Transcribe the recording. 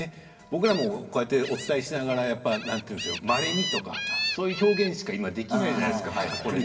僕らもお伝えしながらまれに、とかそういう表現しかできないじゃないですか。